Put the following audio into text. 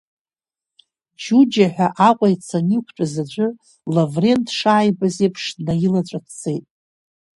Џьуџьа ҳәа Аҟәа ицаны иқәтәаз аӡәы, Лаврент дшааибаз еиԥш днаилаҵәа дцеит.